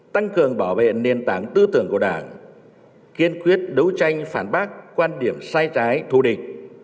tăng cường bảo vệ nền tảng tư tưởng của đảng kiên quyết đấu tranh phản bác quan điểm sai trái thù địch